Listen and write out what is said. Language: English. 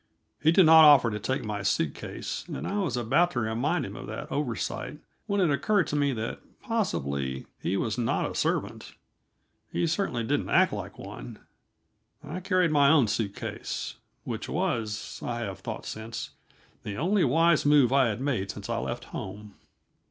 He did not offer to take my suit case, and I was about to remind him of the oversight when it occurred to me that possibly he was not a servant he certainly didn't act like one. I carried my own suitcase which was, I have thought since, the only wise move I had made since I left home.